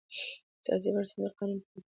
سیاسي بنسټونه قانون پلي کوي